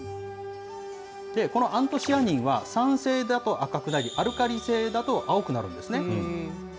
このアントシアニンは酸性だと赤くなり、アルカリ性だと青くなるんですね。